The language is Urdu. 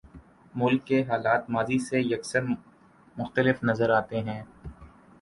ملک کے حالات ماضی سے یکسر مختلف نظر آتے ہیں۔